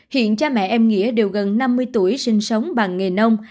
hiện cha mẹ em nghĩa đều gần năm mươi tuổi sinh sống bằng nghề nông